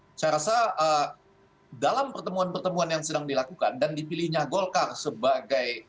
saya rasa dalam pertemuan pertemuan yang sedang dilakukan dan dipilihnya golkar sebagai